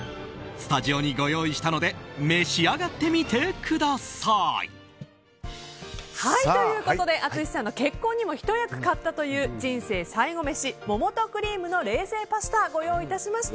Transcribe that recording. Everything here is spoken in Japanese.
スタジオにご用意したので召し上がってみてください。ということで淳さんの結婚にもひと役買ったという人生最後メシ桃とクリームの冷製パスタご用意いたしました。